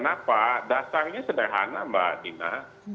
kenapa dasarnya sederhana mbak dina